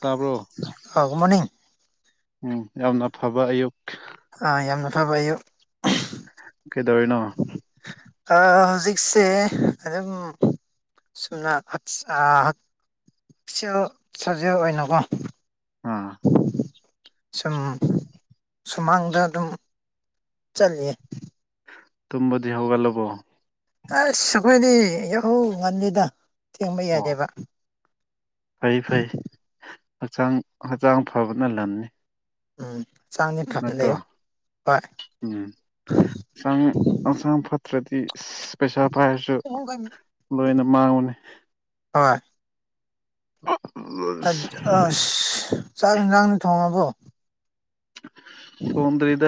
ꯇꯥꯕ꯭ꯔꯣ [unintelligible] good morning ꯎꯝ ꯌꯥꯝꯅ ꯐꯕ ꯑꯌꯨꯛ ꯑꯥ ꯌꯥꯝꯅ ꯐꯕ ꯑꯌꯨꯛ ꯀꯩꯗꯧꯔꯤꯅꯣ ꯑꯥ ꯍꯧꯖꯤꯛꯁꯦ ꯑꯗꯨꯝ [unintelligible] ꯁꯥꯖꯦꯜ ꯑꯣꯏꯅꯀꯣ ꯑꯥ [inaudible] ꯁꯨꯝ ꯁꯨꯃꯥꯡꯗ ꯑꯗꯨꯝ ꯆꯠꯂꯤꯌꯦ ꯇꯨꯝꯕꯗꯤ ꯍꯧꯒꯠꯂꯕꯣ ꯑꯁ ꯑꯩꯈꯣꯏꯗꯤ ꯌꯥꯍꯧ ꯉꯟꯂꯤꯗ ꯊꯦꯡꯕ ꯑꯣ ꯌꯥꯗꯦꯕ ꯐꯩ ꯐꯩ ꯍꯛꯆꯥꯡ ꯍꯛꯆꯥꯡ ꯐꯕꯅ ꯂꯟꯅꯤ ꯎꯝ ꯍꯛꯆꯥꯡꯗꯤ ꯐꯅꯥ ꯅꯠꯇ꯭ꯔꯣ ꯂꯩꯌꯨ ꯍꯣꯏ ꯎꯝ ꯍꯛꯆꯥꯡ ꯍꯛꯆꯥꯡ ꯐꯠꯇ꯭ꯔꯗꯤ ꯄꯩꯁꯥ ꯄꯥꯏꯔꯁꯨ ꯂꯣꯏꯅ ꯃꯥꯡꯕꯅꯦ ꯍꯣꯏ ꯑ ꯑꯁ ꯑꯁ ꯆꯥꯛ ꯑꯦꯟꯁꯥꯡ ꯊꯣꯡꯉꯕꯣ ꯊꯣꯡꯗ꯭ꯔꯤꯗ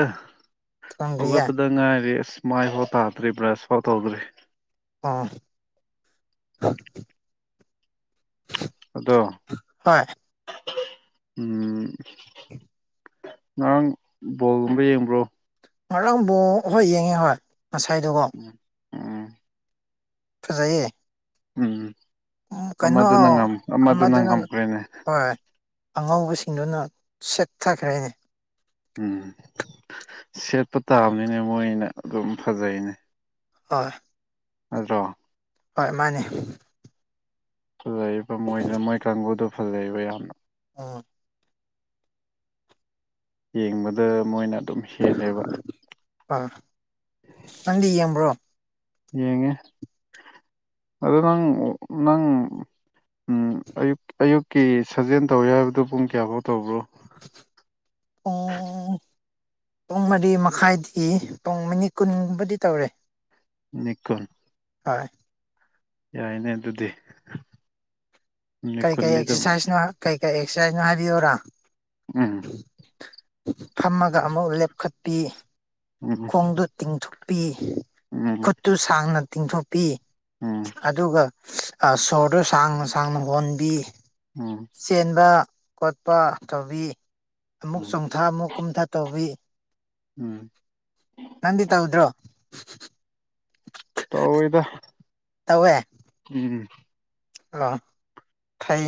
ꯊꯣꯡꯗ꯭ꯔꯤꯌꯦ ꯍꯧꯒꯠꯄꯗ ꯉꯥꯏꯔꯤ ꯃꯥꯏꯐꯥꯎ ꯇꯥꯗ꯭ꯔꯤ ꯕ꯭ꯔꯁꯐꯥꯎ ꯇꯧꯗ꯭ꯔꯤ ꯑꯣ ꯑꯗꯣ ꯍꯣꯏ ꯎꯝ ꯉꯔꯥꯡ ꯕꯣꯜꯒꯨꯝꯕ ꯌꯦꯡꯕ꯭ꯔꯣ ꯉꯔꯥꯡꯕꯣꯜ ꯍꯣꯏ ꯌꯦꯡꯉꯦ ꯍꯣꯏ ꯉꯁꯥꯏꯗꯨꯀꯣ ꯎꯝ ꯎꯝ ꯐꯖꯩꯌꯦ ꯎꯝ ꯎꯝ ꯀꯩꯅꯣ ꯑꯃꯗꯨꯅ ꯉꯝ ꯑꯃꯗꯨꯅ ꯉꯝꯈ꯭ꯔꯦꯅꯦ ꯍꯣꯏ ꯑꯉꯧꯕꯁꯤꯡꯗꯨꯅ ꯁꯦꯠꯊꯈ꯭ꯔꯦꯅꯦ ꯎꯝ ꯁꯦꯠꯄ ꯇꯥꯕꯅꯤꯅꯦ ꯃꯣꯏꯅ ꯑꯗꯨꯝ ꯐꯖꯩꯅꯦ ꯍꯣꯏ ꯑꯗꯣ ꯍꯣꯏ ꯃꯥꯅꯦ ꯐꯖꯩꯕ ꯃꯣꯏꯗꯣ ꯃꯣꯏ ꯀꯥꯡꯕꯨꯗꯨ ꯐꯖꯩꯌꯦꯕ ꯌꯥꯝꯅ ꯎꯝ ꯌꯦꯡꯕꯗ ꯃꯣꯏꯅ ꯑꯗꯨꯝ ꯍꯦꯜꯂꯦꯕ ꯑꯥ ꯅꯪꯗꯤ ꯌꯦꯡꯕ꯭ꯔꯣ ꯌꯦꯡꯉꯦ ꯑꯗꯣ ꯅꯪ ꯅꯪ ꯎꯪ ꯑꯌꯨꯛ ꯑꯌꯨꯛꯀꯤ ꯁꯥꯖꯦꯜ ꯇꯧꯋꯦ ꯍꯥꯏꯕꯗꯣ ꯄꯨꯡ ꯀꯌꯥꯐꯥꯎ ꯇꯧꯕ꯭ꯔꯣ ꯄꯨꯡ ꯎꯪ ꯄꯨꯡ ꯃꯔꯤ ꯃꯈꯥꯏꯗꯒꯤ ꯄꯨꯡ ꯃꯤꯅꯤꯠ ꯀꯨꯟꯒꯨꯝꯕꯗꯤ ꯇꯧꯔꯦ ꯃꯤꯅꯤꯠ ꯀꯨꯟ ꯑꯥꯏ ꯌꯥꯏꯅꯦ ꯑꯗꯨꯗꯤ ꯅꯤꯠ ꯀꯩ ꯀꯩ ꯀꯨꯟꯗꯤ ꯑꯗꯨꯝ ꯑꯦꯛꯁꯔꯁꯥꯏꯖꯅꯣ ꯀꯩ ꯀꯩ ꯑꯦꯛꯁꯔꯁꯥꯏꯖꯅꯣ ꯍꯥꯏꯕꯤꯌꯨꯔꯥ ꯎꯝ ꯐꯝꯃꯒ ꯑꯃꯨꯛ ꯂꯦꯞꯈꯠꯄꯤ ꯈꯣꯡꯗꯨ ꯇꯤꯡꯊꯣꯛꯄꯤ ꯎꯪ ꯇꯨ ꯁꯥꯡꯅ ꯇꯤꯡꯊꯣꯛꯄꯤ ꯑꯗꯨꯒ ꯑꯥ ꯁꯣꯔꯗꯣ ꯁꯥꯡꯅ ꯁꯥꯡꯅ ꯍꯣꯟꯕꯤ ꯎꯪ ꯆꯦꯟꯕ- ꯈꯣꯠꯄ ꯇꯧꯕꯤ ꯑꯃꯨꯛ ꯎꯝ ꯆꯣꯡꯊꯥ ꯑꯃꯨꯛ ꯀꯨꯝꯊꯥ ꯇꯧꯕꯤ ꯎꯝ ꯅꯪꯗꯤ ꯇꯧꯗ꯭ꯔꯣ ꯇꯧꯏꯗ ꯇꯧꯌꯦ ꯀꯤꯔꯤ ꯑꯥ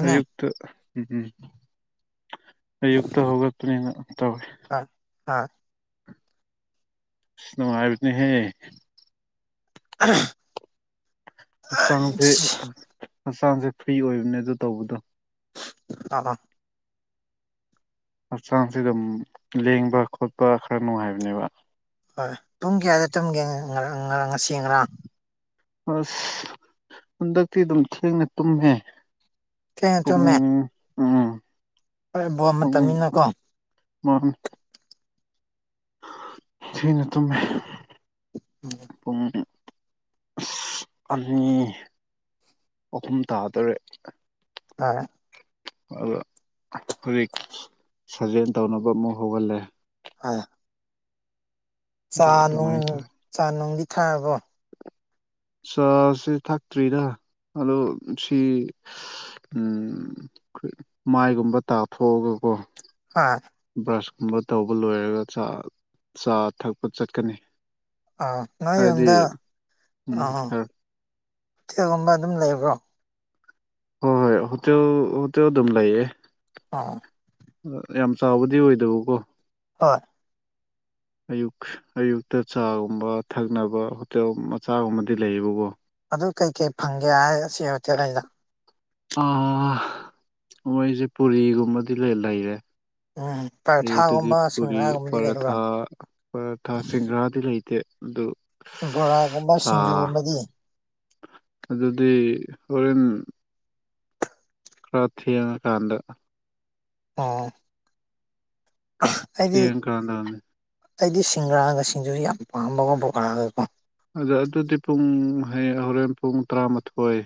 ꯑꯌꯨꯛꯇ ꯎꯪꯎꯝ ꯑꯌꯨꯛꯇ ꯍꯧꯒꯠꯄꯅꯦꯅ ꯇꯧꯋꯤ ꯑꯥ ꯑꯥ ꯏꯁ ꯅꯨꯡꯉꯥꯏꯕꯅꯦꯍꯦ INAUDIBLE ꯍꯛꯆꯥꯡꯖꯦ ꯐ꯭ꯔꯤ ꯑꯣꯏꯕꯅꯦ ꯑꯗꯨ ꯇꯧꯕꯗꯣ ꯑꯥꯑꯥ ꯍꯛꯆꯥꯡꯁꯤꯗ ꯃꯝ ꯂꯦꯡꯕ-ꯈꯣꯠꯄ ꯈꯔ ꯅꯨꯡꯉꯥꯏꯕꯅꯦꯕ ꯍꯣꯏ ꯄꯨꯡ ꯀꯌꯥꯗ ꯇꯝꯒꯦ ꯉꯥ ꯉꯥ ꯉꯔꯥꯡ ꯉꯁꯤ ꯉꯔꯥꯡ ꯑꯥꯁ ꯍꯟꯗꯛꯇꯤ ꯑꯗꯨꯝ ꯊꯦꯡꯅ ꯇꯨꯝꯃꯤꯅꯦ ꯊꯦꯡꯅ ꯄꯨꯡ ꯇꯨꯝꯃꯦ ꯎꯪ ꯍꯣꯏ ꯋꯥꯕ ꯃꯇꯝꯅꯤꯅ ꯀꯣ ꯋꯥꯕꯅꯤ ꯊꯦꯡꯅꯇꯨꯝꯃꯦ ꯎꯝ ꯄꯨꯡ ꯑꯥꯁ ꯑꯅꯤ ꯑꯍꯨꯝ ꯇꯥꯗꯧꯔꯦ ꯇꯥꯔꯦ ꯑꯗꯣ ꯍꯧꯖꯤꯛ ꯁꯥꯖꯦꯟ ꯇꯧꯅꯕ ꯑꯃꯨꯛ ꯍꯧꯒꯠꯂꯦ ꯑꯥ ꯑꯗꯨ ꯆꯥꯅꯨꯡ ꯑꯗꯨꯃꯥꯏꯅ ꯇꯧꯋꯦ ꯆꯥ ꯅꯨꯡꯗꯤ ꯊꯛꯑꯕꯣ ꯆꯥꯁꯤ ꯊꯛꯇ꯭ꯔꯤꯗ ꯑꯗꯣ ꯁꯤ ꯏꯁ ꯎꯪ ꯎꯪ ꯃꯥꯏꯒꯨꯝꯕ ꯇꯥꯊꯣꯛꯑꯒꯀꯣ ꯍꯥꯑ ꯕ꯭ꯔꯁꯀꯨꯝꯕ ꯇꯧꯕ ꯂꯣꯏꯔꯒ ꯆꯥ ꯆꯥ ꯊꯛꯄ ꯆꯠꯀꯅꯤ ꯑꯥ ꯉꯥꯏ ꯍꯥꯏꯗꯤ ꯌꯨꯝꯗ ꯎꯝ ꯑꯥ ꯍꯣꯏ ꯍꯣꯇꯦꯜꯒꯨꯝꯕ ꯑꯗꯨꯝ ꯂꯩꯕ꯭ꯔꯣ ꯍꯣꯏ ꯍꯣꯏ ꯍꯣꯇꯦꯜ ꯍꯣꯇꯦꯜ ꯑꯗꯨꯝ ꯂꯩꯌꯦ [unintelligible] ꯌꯥꯝ ꯆꯥꯎꯕꯗꯤ ꯑꯣꯏꯗꯕ ꯀꯣ ꯑꯣꯏ [inaudible] ꯑꯌꯨꯛ ꯑꯌꯨꯛꯇ ꯆꯥꯒꯨꯝꯕ ꯊꯛꯅꯕ ꯍꯣꯇꯦꯜ ꯃꯆꯥꯒꯨꯝꯕꯗꯤ ꯂꯩꯌꯦꯕꯀꯣ ꯑꯗꯨ ꯀꯩꯀꯩ ꯐꯪꯒꯦ ꯍꯥꯏ ꯁꯤ ꯍꯣꯇꯦꯜ ꯑꯩꯗ ꯑ ꯃꯣꯏꯖꯦ ꯄꯨꯔꯤꯒꯨꯝꯕꯗꯤ ꯂꯩ ꯂꯩꯌꯦ ꯎꯝ ꯑꯌꯨꯛꯇꯗꯤ ꯄꯔꯊꯥꯒꯨꯝꯕ ꯄꯨꯔꯤ ꯁꯤꯡꯒ꯭ꯔꯥꯒꯨꯝꯕꯗꯤ ꯂꯩꯕ꯭ꯔꯣ ꯄꯔꯥꯊꯥ ꯄꯔꯥꯊꯥ ꯁꯤꯡꯒ꯭ꯔꯥꯗꯤ ꯂꯩꯇꯦ ꯑꯗꯨ ꯕꯣꯔꯥꯒꯨꯝꯕ ꯆꯥ ꯁꯤꯡꯖꯨꯒꯨꯝꯕꯗꯤ ꯑꯗꯨꯗꯤ ꯍꯣꯔꯦꯟ ꯈꯔ ꯊꯦꯡꯉꯀꯥꯟꯗ ꯑꯣ ꯑꯩꯗꯤ ꯊꯦꯡꯉꯀꯥꯟꯗ ꯑꯩꯗꯤ ꯁꯤꯡꯒ꯭ꯔꯥꯒ ꯁꯤꯡꯖꯨꯖꯦ ꯌꯥꯝ ꯄꯥꯝꯕꯒꯨꯝꯕ ꯑꯣꯏꯔꯛꯑꯒꯦꯀꯣ ꯑꯗ ꯑꯗꯨꯗꯤ ꯄꯨꯡ ꯍꯌꯦꯡ ꯍꯣꯔꯦꯟ ꯄꯨꯡ ꯇꯔꯥꯃꯥꯊꯣꯏ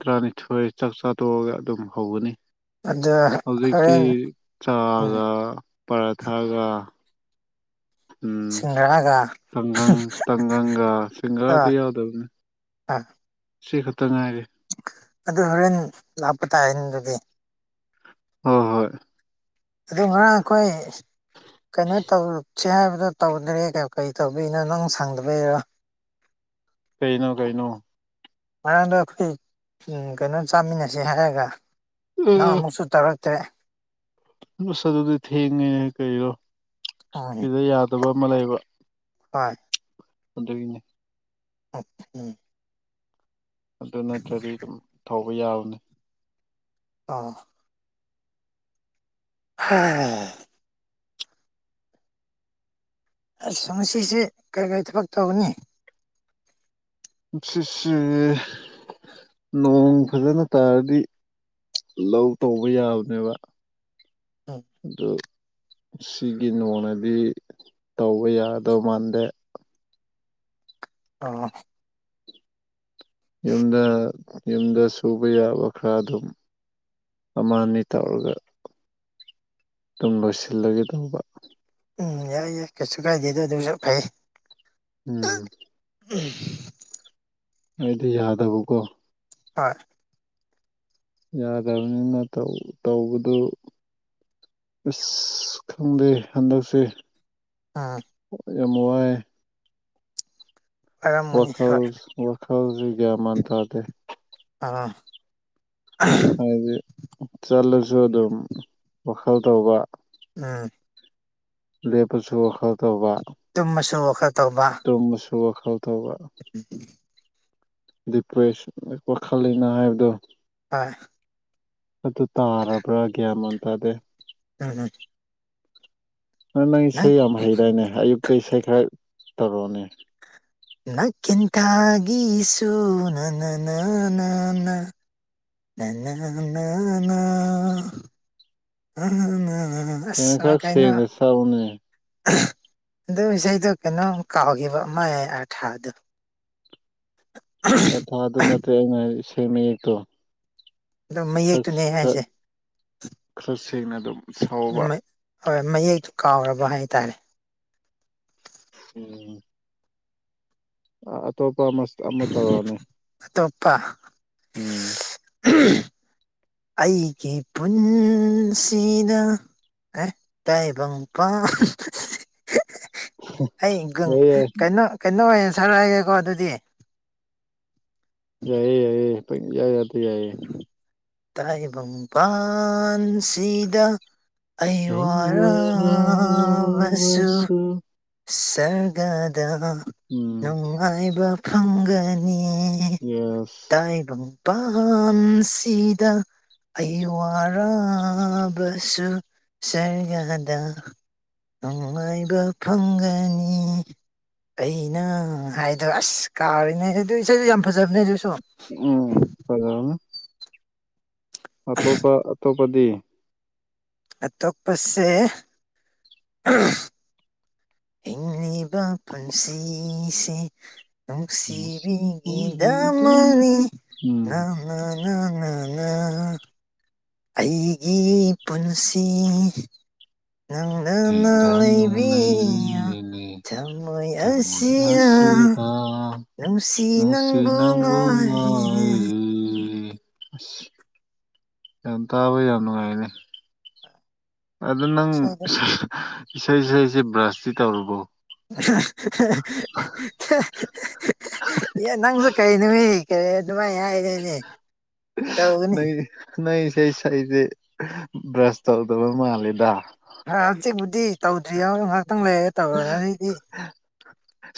ꯇꯔꯥꯅꯤꯊꯣꯏ ꯆꯥꯛ ꯆꯥ ꯇꯣꯛꯑꯒ ꯑꯗꯨꯝ ꯍꯧꯒꯅꯤ ꯑꯗ ꯍꯧꯖꯤꯛꯇꯤ ꯍꯣꯔꯦꯟ ꯆꯥꯒ ꯄꯔꯥꯊꯥꯒ ꯎꯝ ꯁꯤꯡꯒ꯭ꯔꯥꯒ ꯇꯪꯒꯪ ꯇꯪꯒꯪꯒ ꯁꯤꯡꯒꯔꯥꯗꯤ ꯑ ꯌꯥꯎꯗꯕꯅꯤ ꯑ ꯁꯤ ꯈꯛꯇ ꯉꯥꯏꯔꯦ ꯑꯗꯨ ꯍꯣꯔꯦꯟ ꯂꯥꯛꯄ ꯇꯥꯏꯟ ꯑꯗꯨꯗꯤ ꯍꯣ ꯍꯣꯏ ꯑꯗꯨ ꯉꯔꯥꯡ ꯑꯩꯈꯣꯏ ꯀꯩꯅꯣ ꯇꯧ ꯁꯤ ꯍꯥꯏꯕꯗꯣ ꯇꯧꯗꯔꯦ ꯀꯩꯌꯣ ꯀꯩ ꯇꯧꯗꯣꯏꯅꯣ ꯅꯪ ꯁꯪꯗꯕꯩꯔꯥ ꯀꯩꯅꯣ ꯀꯩꯅꯣ ꯉꯔꯥꯡꯗꯣ ꯑꯩꯈꯣꯏ ꯎꯝ ꯀꯩꯅꯣ ꯆꯥꯃꯤꯟꯅꯁꯤ ꯍꯥꯏꯔꯒ ꯅꯪ ꯑꯃꯨꯛꯁꯨ ꯇꯧꯔꯛ ꯇꯦ ꯎꯁ ꯑꯗꯨꯗꯤ ꯊꯦꯡꯉꯦ ꯀꯔꯤꯔꯣ ꯎꯝ ꯁꯤꯗ ꯌꯥꯗꯕ ꯑꯃ ꯂꯩꯕ ꯍꯣꯏ ꯑꯗꯨꯒꯤꯅꯦ [unintelligible] ꯎꯝ ꯑꯗꯨ ꯅꯠꯇ꯭ꯔꯗꯤ ꯑꯗꯨꯝ ꯊꯧꯕ ꯌꯥꯕꯅꯤ ꯑ ꯍꯥ ꯑꯁ ꯉꯁꯤꯁꯤ ꯀꯔꯤ ꯀꯔꯤ ꯊꯕꯛ ꯇꯧꯒꯅꯤ ꯉꯁꯤꯁꯤ ꯅꯣꯡ ꯐꯖꯅ ꯇꯥꯔꯗꯤ ꯂꯧ ꯇꯧꯕ ꯌꯥꯕꯅꯦꯕ ꯎꯝ ꯑꯗꯨ ꯁꯤꯒꯤ ꯅꯣꯡꯅꯗꯤ ꯇꯧꯕ ꯌꯥꯗꯧ ꯃꯥꯟꯗꯦ ꯑ ꯌꯨꯝꯗ ꯌꯨꯝꯗ ꯁꯨꯕ ꯌꯥꯕ ꯈꯔ ꯑꯗꯨꯝ ꯑꯃ ꯑꯅꯤ ꯇꯧꯔꯒ ꯑꯗꯨꯝ ꯂꯣꯏꯁꯤꯜꯂꯒꯦ ꯇꯧꯕ ꯎꯝ ꯌꯥꯏ ꯌꯥꯏ ꯀꯩꯁꯨ ꯀꯥꯏꯗꯦꯗ ꯑꯗꯨꯖꯨ ꯐꯩ ꯎꯝ ꯎꯝ ꯑꯩꯗꯤ ꯌꯥꯗꯕꯀꯣ꯫ ꯍꯣꯏ ꯌꯥꯗꯕꯅꯤꯅ ꯇꯧ ꯇꯧꯕꯗꯨ ꯑꯁ ꯈꯪꯗꯦ ꯍꯟꯗꯛꯁꯦ ꯑꯥ ꯌꯥꯝ ꯋꯥꯏ ꯑꯣꯏꯔꯝꯒꯅꯤ ꯍꯣꯏ ꯋꯥꯈꯜꯁ ꯋꯥꯈꯜꯖꯤ ꯒ꯭ꯌꯥꯃꯥꯟ ꯇꯥꯗꯦ ꯑꯥ ꯍꯥꯏꯗꯤ ꯆꯠꯂꯖꯨ ꯑꯗꯨꯝ ꯋꯥꯈꯜ ꯇꯧꯕ ꯎꯝ ꯂꯦꯞꯄꯁꯨ ꯋꯥꯈꯜ ꯇꯧꯕ ꯇꯨꯝꯃꯁꯨ ꯋꯥꯈꯜ ꯇꯧꯕ ꯇꯨꯝꯃꯁꯨ ꯋꯥꯈꯜ ꯇꯧꯕ ꯎꯝ ꯎꯝ ꯗꯤꯄ꯭ꯔꯦꯁ ꯋꯥꯈꯜ ꯂꯩꯅꯥ ꯍꯥꯏꯕꯗꯣ ꯍꯣꯏ ꯑꯗꯨ ꯇꯥꯔꯕ꯭ꯔꯥ ꯒ꯭ꯌꯥꯟ ꯃꯥꯟ ꯇꯥꯗꯦ ꯎꯝ ꯍꯝ ꯅꯪ ꯅꯪ ꯏꯁꯩ ꯌꯥꯝ ꯍꯩꯗꯥꯏꯅꯦ ꯑꯌꯨꯛꯇ ꯏꯁꯩ ꯈꯔ ꯇꯧꯔꯛꯑꯣꯅꯦ꯫ ꯅꯥꯀꯦꯟꯊꯥꯒꯤꯁꯨ ꯅꯥ ꯅꯥ ꯅꯥ ꯅꯥ ꯅꯥ ꯅꯥ ꯅꯥ ꯅꯥ ꯑꯥ ꯅꯥ ꯀꯩꯅꯣ ꯈꯔ ꯁꯦꯡꯅ ꯁꯛꯎꯅꯦ ꯫ ꯑꯗꯨ ꯏꯁꯩꯗꯣ ꯀꯩꯅꯣꯝ ꯀꯥꯎꯈꯤꯕ ꯃꯥꯏ ꯑꯥꯔꯊꯥꯗꯣ꯫ ꯑꯔꯊꯥꯗꯣ ꯅꯠꯇꯦ ꯑꯩꯅ ꯍꯥꯏ ꯏꯁꯩ ꯃꯌꯦꯛꯇꯣ꯫ ꯑꯗꯣ ꯈꯔ ꯃꯌꯦꯛꯇꯨꯅꯦ ꯑꯩ ꯈꯔ ꯍꯥꯏꯁꯦ ꯈꯔ ꯁꯦꯡꯅ ꯑꯗꯨꯝ ꯁꯛꯎꯕ ꯃꯥ ꯍꯣꯏ ꯃꯌꯦꯛꯇꯨ ꯀꯥꯎꯔꯕ ꯍꯥꯏꯇꯥꯔꯦ꯫ ꯎꯝ ꯑꯥ ꯑꯇꯣꯞꯄ ꯑꯃ ꯑꯃ ꯇꯧꯔꯛꯑꯣꯅꯦ ꯑꯇꯣꯞꯄ ꯎꯝ [inaudible] ꯑꯩꯒꯤ ꯄꯨꯟꯁꯤꯗ ꯑꯦ ꯇꯥꯏꯕꯪꯄꯥꯟ ꯑꯩ ꯒꯨꯡ ꯌꯥꯏꯌꯦ ꯀꯩꯅꯣ ꯀꯩꯅꯣ ꯑꯣꯏ ꯁꯛꯂꯛꯑꯒꯦꯀꯣ ꯗꯨꯗꯤ ꯌꯥꯏꯌꯦ ꯌꯥꯏꯌꯦ ꯄꯪꯌꯥꯗꯥ ꯌꯥꯏꯌꯦ ꯇꯥꯏꯕꯝ ꯄꯥꯟꯁꯤꯗ ꯑꯩ ꯋꯥꯔꯥꯕꯁꯨ ꯁꯔꯒꯗ ꯎꯝ ꯅꯨꯡꯉꯥꯏꯕ ꯐꯪꯒꯅꯤ ꯅꯤ ꯌꯦꯁ ꯇꯥꯏꯕꯡꯄꯥꯟꯁꯤ ꯗ ꯑꯩ ꯋꯥꯔꯕꯁꯨ ꯁꯔꯒꯗ ꯅꯨꯡꯉꯥꯏꯕ ꯐꯪꯒꯅꯤ ꯑꯩꯅ ꯍꯥꯏꯗꯣ ꯑꯁ ꯀꯥꯎꯔꯤꯅꯦ ꯑꯗꯨ ꯏꯁꯩꯗꯨ ꯌꯥꯝ ꯐꯖꯕꯅꯦ ꯗꯨꯁꯨ꯫ ꯎꯝ ꯐꯖꯕꯅꯦ ꯑꯇꯣꯞꯄ ꯑꯇꯣꯞꯄꯗꯤ ꯑꯇꯣꯞꯄꯁꯦ ꯍꯤꯡꯂꯤꯕ ꯄꯨꯟꯁꯤꯁꯦ ꯎꯝ ꯅꯨꯡꯁꯤꯕꯤꯒꯤꯗꯃꯅꯤ ꯅ ꯅ-ꯅ-ꯅ-ꯅ ꯑꯩꯒꯤ ꯄꯨꯟꯁꯤ ꯅꯪꯅ [unintelligible] ꯂꯩꯕꯤꯌꯨ ꯂꯩꯔꯤꯌꯦꯅꯦ ꯊꯝꯃꯣꯏ ꯊꯥꯃꯣꯏ ꯑꯁꯤꯅ ꯑꯁꯤꯗ ꯅꯨꯡꯁꯤ ꯅꯨꯡꯁꯤ ꯅꯪꯕꯨ ꯉꯥꯏ ꯉꯥꯏꯔꯤꯌꯦ ꯑꯁ ꯌꯥꯝ ꯇꯥꯕ ꯌꯥꯝ ꯅꯨꯡꯉꯥꯏꯅꯦ ꯑꯗꯣ ꯅꯪ ꯏꯁꯩ ꯁꯛꯏꯁꯦ ꯕ꯭ꯔꯁꯇꯤ ꯇꯧꯔꯕꯣ ꯑꯦ ꯅꯪꯁꯨ ꯀꯩꯅꯣꯍꯦ ꯌꯥꯔꯦ ꯑꯗꯨꯃꯥꯏ ꯍꯥꯏ ꯅꯪꯒꯤꯗꯤ ꯅꯪ ꯏꯁꯩ ꯁꯛꯏꯁꯦ ꯕ꯭ꯔꯁ ꯇꯧꯗꯕ ꯃꯥꯜꯂꯦꯗ ꯑ ꯍꯧꯖꯤꯛꯄꯨꯗꯤ ꯇꯧꯗ꯭ꯔꯤ ꯌꯥꯎ ꯉꯍꯥꯛꯇꯪ ꯂꯩꯔꯒ ꯇꯧꯔꯒꯅꯤ ꯗꯤ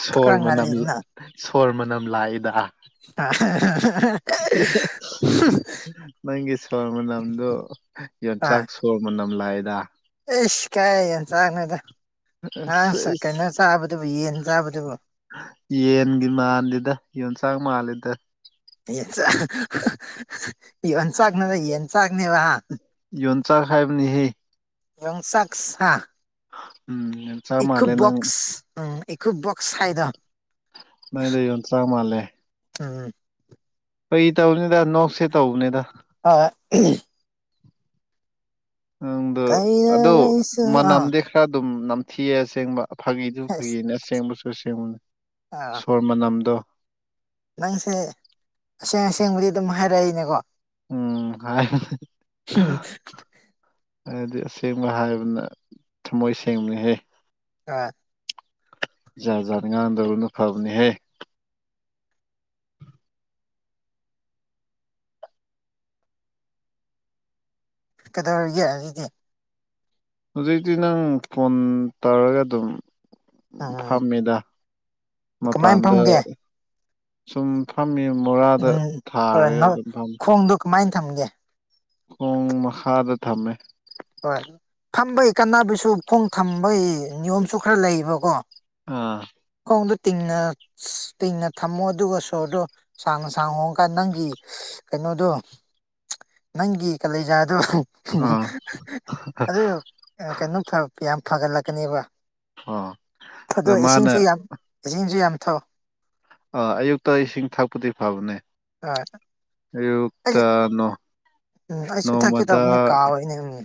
ꯁꯣꯔ ꯃꯅꯝ ꯁꯣꯔ ꯃꯅꯝ ꯂꯥꯛꯏꯗ [unintelligible] ꯅꯪꯒꯤ ꯁꯣꯔ ꯃꯅꯝꯗꯨ ꯍꯣꯏ ꯌꯣꯟꯆꯥꯛ ꯁꯣꯔ ꯃꯅꯝ ꯂꯥꯛꯑꯦꯗ꯫ ꯑꯩꯁ ꯀꯥꯏꯗꯩ ꯌꯣꯟꯆꯥꯛꯅꯣꯗ ꯉꯔꯥꯡ ꯑꯁ ꯁ ꯑꯁ ꯀꯩꯅꯣ ꯆꯥꯕꯗꯨꯕꯨ ꯌꯦꯟ ꯆꯥꯕꯗꯨꯕꯨ ꯌꯦꯟꯒꯤ ꯃꯥꯟꯗꯦꯗ ꯌꯣꯟꯆꯥꯛ ꯃꯥꯜꯂꯦꯗ꯫ ꯌꯦꯟꯆꯥꯛ ꯌꯣꯟꯆꯥꯛ ꯅꯠꯇꯦ ꯌꯦꯟꯆꯥꯛ ꯅꯦꯕ ꯌꯣꯟꯆꯥꯛ ꯍꯥꯏꯕꯅꯤꯍꯦ ꯌꯣꯡꯆꯥꯛꯁ ꯍꯥ ꯎꯝ [unintelligible] ꯅꯪ ꯏꯀꯨꯕꯣꯛꯁ ꯎꯝ ꯏꯀꯨꯕꯣꯛꯁ ꯍꯥꯏꯗꯣ ꯅꯣꯏꯗꯣ ꯌꯣꯟꯆꯥꯛ ꯎꯝ ꯐꯒꯤ ꯇꯧꯅꯤꯗ ꯅꯣꯛꯁꯦ ꯇꯧꯕꯅꯤꯗ꯫ ꯍꯣꯏ [unintelligible] ꯅꯪꯗꯣ ꯑꯗꯣ ꯀꯩꯗꯧꯉꯩꯁꯨ ꯑꯥ ꯃꯅꯝꯗꯤ ꯈꯔ ꯑꯗꯨꯝ ꯅꯝꯊꯤꯌꯦ ꯑꯁꯦꯡꯕ ꯐꯥꯒꯤꯖꯨ ꯑꯁ ꯐꯥꯒꯤꯅꯦ ꯑꯁꯦꯡꯕꯁꯨ ꯑꯁꯦꯡꯕꯅꯤ ꯑꯥ ꯁꯣꯔ ꯃꯅꯝꯗꯣ ꯅꯪꯁꯦ ꯑꯁꯦꯡ ꯑꯁꯦꯡꯕꯗꯤ ꯑꯗꯨꯝ ꯍꯥꯏꯔꯛꯏꯅꯦꯀꯣ꯫ ꯎꯝ ꯍꯥꯏꯕꯅꯦ ꯍꯨꯝ ꯍꯥꯏꯗꯤ ꯑꯁꯦꯡꯕ ꯍꯥꯏꯕꯅ ꯊꯃꯣꯏ ꯁꯦꯡꯕꯅꯤꯍꯦ꯫ ꯑ ꯖꯥꯠ ꯖꯥꯠ ꯉꯥꯡꯗꯕꯅ ꯐꯕꯅꯦꯍꯦ꯫ ꯀꯩꯗꯧꯔꯤꯒꯦ ꯑꯗꯨꯗꯤ ꯍꯧꯖꯤꯛꯇꯤ ꯅꯪ ꯐꯣꯟ ꯇꯧꯔꯒ ꯑꯗꯨꯝ ꯎꯝ ꯐꯝꯃꯤꯗ ꯀꯃꯥꯏꯅ ꯃꯄꯥꯟꯗ ꯐꯝꯒꯦ ꯁꯨꯝ ꯐꯝꯃꯤ ꯃꯣꯔꯥꯗ ꯎꯝ ꯑꯥ, ꯊꯥꯔꯒ ꯅ- ꯑꯗꯨꯝ ꯐꯝꯃꯤ ꯈꯣꯡꯗꯣ ꯀꯃꯥꯏꯅ ꯊꯝꯒꯦ ꯄꯨꯡ ꯃꯈꯥꯗ ꯊꯝꯃꯦ ꯍꯣꯏ ꯐꯝꯕꯒꯤ ꯀꯥꯟꯅꯕꯁꯨ ꯈꯣꯡ ꯊꯝꯕꯒꯤ ꯅꯤꯌꯣꯝꯁꯨ ꯈꯔ ꯂꯩꯕꯀꯣ ꯑꯥ ꯈꯣꯡꯗꯣ ꯇꯤꯡꯅ ꯇꯤꯡꯅ ꯊꯝꯃꯣ ꯑꯗꯨꯒ ꯁꯣꯔꯗꯣ ꯁꯥꯡꯅ ꯁꯥꯡ ꯍꯣꯡꯀꯠ ꯅꯪꯒꯤ ꯀꯩꯅꯣꯗꯣ ꯅꯪꯒꯤ ꯀꯂꯦꯖꯥꯗꯣ ꯑꯥ ꯑꯗꯨ ꯑ ꯀꯩꯅꯣꯝ ꯇꯧꯔꯛꯄ ꯌꯥꯝ ꯐꯒꯠꯂꯥꯛ ꯀꯅꯦꯕ ꯑꯥ ꯑꯗ ꯊꯥꯗꯣꯏ ꯃꯥꯅ ꯏꯁꯤꯡꯁꯤ ꯌꯥꯝ ꯏꯁꯤꯡꯁꯨ ꯌꯥꯝ ꯊꯛꯑꯣ ꯑꯥ ꯑꯌꯨꯛꯇ ꯏꯁꯤꯡ ꯊꯛꯄꯗꯤ ꯐꯕꯅꯦ ꯍꯣꯏ ꯑꯩ ꯑꯌꯨꯛꯇ ꯅꯣ ꯑꯩꯁꯨ ꯊꯛꯀꯦ ꯇꯧꯕꯥꯅꯦ ꯅꯣꯡꯃꯗ ꯀꯥꯎꯋꯤꯅꯦ ꯅꯪꯗꯤ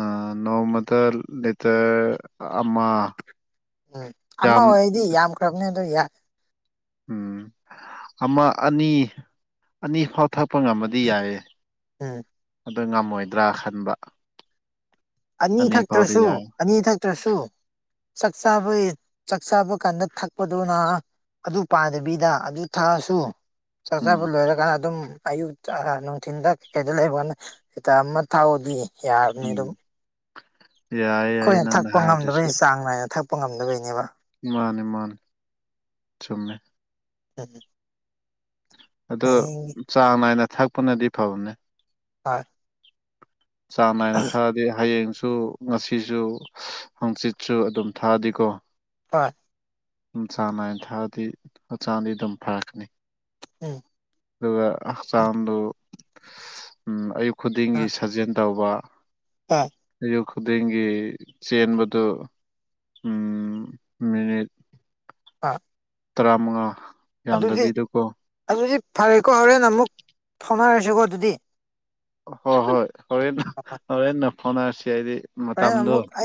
ꯑ ꯅꯣꯡꯃꯗ ꯂꯤꯇꯔ ꯑꯃꯥ ꯎꯝ ꯑꯃ ꯑꯣꯏꯔꯗꯤ ꯌꯥꯝꯈ꯭ꯔꯕꯅꯤ ꯑꯗꯨ ꯌ ꯎꯝ ꯑꯃ ꯑꯅꯤ ꯑꯅꯤ ꯐꯥꯎ ꯊꯛꯄ ꯉꯝꯃꯗꯤ ꯌꯥꯏꯌꯦ ꯎꯝ ꯑꯗꯨ ꯉꯝꯃꯣꯏꯗ꯭ꯔꯥ ꯈꯟꯕ ꯑꯅꯤ ꯐꯥꯎꯗꯤ ꯊꯛꯇ꯭ꯔꯁꯨ, ꯌꯥꯏ ꯑꯅꯤ ꯊꯛꯇ꯭ꯔꯁꯨ ꯆꯥꯛ ꯆꯥꯕꯩ ꯆꯥꯛ ꯆꯥꯕ ꯀꯥꯟꯗ ꯊꯛꯄꯗꯨꯅꯥ ꯑꯗꯨ ꯄꯥꯗꯕꯤꯗ ꯑꯗꯨ ꯊꯥꯑꯁꯨ ꯆꯥꯛ ꯆꯥꯕ ꯎꯝ ꯂꯣꯏꯔꯀꯥꯟꯗ ꯑꯗꯨꯝ ꯑꯌꯨꯛꯇ ꯅꯨꯡꯊꯤꯟꯗ ꯀꯩꯀꯩꯗ ꯂꯩꯕꯋꯥꯏꯅꯦ ꯂꯤꯇꯔ ꯑꯃ ꯊꯥꯎꯑꯣꯗꯤ ꯌꯥꯔꯕꯥꯅꯤ ꯑꯗꯨꯝ [inaudible] ꯌꯥꯏ ꯈꯣꯏꯅꯥ ꯅꯪꯅ ꯊꯛꯄ ꯍꯥꯏꯗꯨꯁꯨ ꯉꯝꯗꯕꯩ ꯆꯥꯡ ꯅꯥꯏꯅ ꯊꯛꯄꯥ ꯉꯝꯗꯕꯩꯅꯦꯕ ꯃꯥꯅꯦ ꯃꯥꯅꯦ ꯆꯨꯝꯃꯦ [unintelligible] ꯑꯗꯨ ꯍꯌꯦꯡꯒꯤ ꯆꯥꯡ ꯅꯥꯏꯅ ꯊꯛꯄꯅꯗꯤ ꯐꯕꯅꯦ꯫ ꯍꯣꯏ ꯆꯥꯡ ꯅꯥꯏꯅ ꯊꯛꯑꯥꯗꯤ ꯍꯌꯦꯡꯁꯨ ꯉꯁꯤꯁꯨ ꯍꯪꯆꯤꯠꯁꯨ ꯑꯗꯨꯝ ꯊꯛꯑꯗꯤꯀꯣ ꯍꯣꯏ ꯆꯥꯡ ꯅꯥꯏꯅ ꯊꯛꯑꯗꯤ ꯍꯛꯆꯥꯡꯗꯤ ꯑꯗꯨꯝ ꯐꯔꯛꯀꯅꯤ꯫ ꯎꯝ ꯑꯗꯨꯒ ꯍꯛꯆꯥꯡꯗꯨ ꯎꯝ ꯑꯌꯨꯛ ꯈꯨꯗꯤꯡꯒꯤ ꯁꯥꯖꯦꯜ ꯇꯧꯕꯥ ꯄꯥ ꯑꯌꯨꯛꯈꯨꯗꯤꯡꯒꯤ ꯆꯦꯟꯕꯗꯨ ꯎꯝ ꯃꯤꯅꯤꯠ ꯑꯥ ꯇꯔꯥꯃꯉꯥ ꯑꯗꯨꯗꯤ, ꯌꯥꯝꯗꯕꯤꯗꯀꯣ ꯑꯗꯨꯗꯤ ꯐꯔꯦꯀꯣ ꯍꯣꯔꯦꯟ ꯑꯃꯨꯛ ꯐꯥꯎꯅꯔꯁꯤꯀꯣ ꯑꯗꯨꯗꯤ ꯍꯣ ꯍꯣꯏ ꯍꯣꯔꯦꯟ [unintelligible] ꯍꯣꯔꯦꯟꯅ ꯐꯥꯎꯅꯔꯁꯦ ꯍꯥꯢꯗꯤ ꯍꯣꯔꯦꯟ ꯑꯃꯨꯛ ꯑꯩ